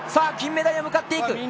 金メダルへ向かっていく。